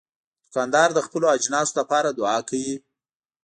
دوکاندار د خپلو اجناسو لپاره دعا کوي.